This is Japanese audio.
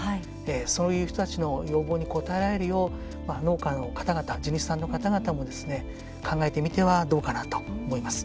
そういう人たちの要望に応えるよう農家の方々、地主の方々も考えてみてはどうかなと思います。